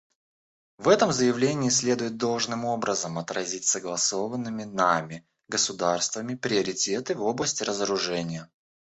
В этом заявлении следует должным образом отразить согласованными нами, государствами, приоритеты в области разоружения.